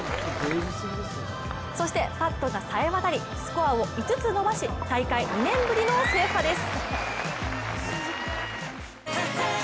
そしてパットがさえわたりスコアを５つ伸ばし大会２年ぶりの制覇です。